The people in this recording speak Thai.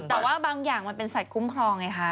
แต่ว่าบางอย่างมันเป็นสัตว์คุ้มครองไงคะ